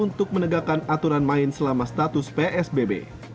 untuk menegakkan aturan main selama status psbb